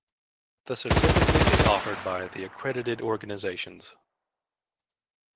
The certificate is offered by the accredited organizations.